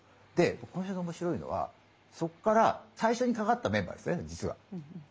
でこの小説の面白いのはそっから最初にかかったメンバーですね実は。